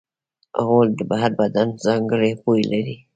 غول د هر بدن ځانګړی بوی لري.